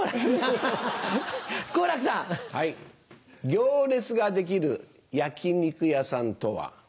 行列ができる焼き肉屋さんとは。